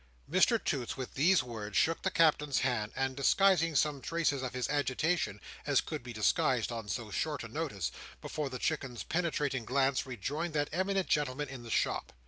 Mr Toots, with these words, shook the Captain's hand; and disguising such traces of his agitation as could be disguised on so short a notice, before the Chicken's penetrating glance, rejoined that eminent gentleman in the shop.